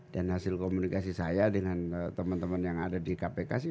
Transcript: dan hasil komunikasi saya dengan temen temen yang ada di kpk sih